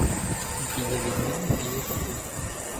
Дієвідміни дієслів